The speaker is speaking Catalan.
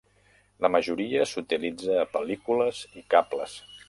La majoria s'utilitza a pel·lícules i cables.